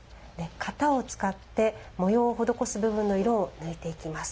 型を使って、模様を施す部分の色を抜いていきます。